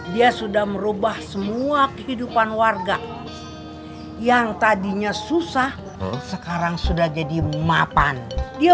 dia sudah merubah semua kehidupan warga yang tadinya susah sekarang sudah jadi mapan dia